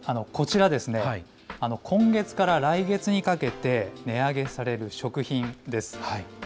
こちら、今月から来月にかけて、値上げされる食品です。